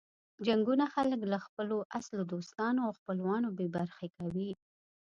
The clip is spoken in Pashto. جنګونه خلک له خپلو اصلو دوستانو او خپلوانو بې برخې کوي.